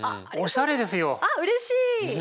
あっうれしい！